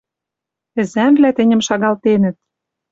Ӹзӓмвлӓ тӹньӹм шагаленӹт.